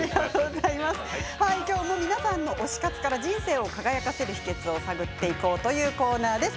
きょうも皆さんの推し活から人生を輝かせる秘けつを探っていこうというコーナーです。